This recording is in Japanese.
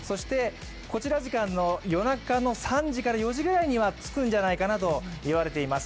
こちら時間の夜中の３時から４時ぐらいには着くんじゃないかと言われています。